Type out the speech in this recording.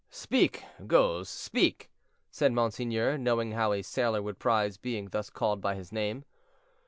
"Speak, Goes, speak," said monseigneur, knowing how a sailor would prize being thus called by his name.